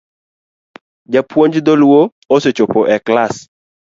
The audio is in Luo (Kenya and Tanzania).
Japuonj dholuo osechopo e klas